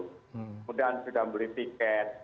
kemudian sudah membeli tiket